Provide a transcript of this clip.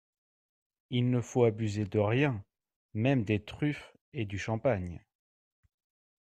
Il ne faut abuser de rien, même des truffes et du champagne.